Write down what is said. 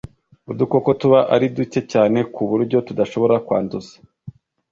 udukoko tuba ari duke cyane ku buryo tudashobora kwanduza.